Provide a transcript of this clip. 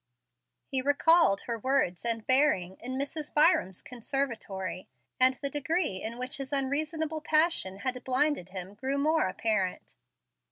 He recalled her words and bearing in Mrs. Byram's conservatory, and the degree in which his unreasonable passion had blinded him grew more apparent.